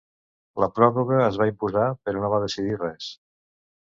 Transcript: La pròrroga es va imposar però no va decidir res.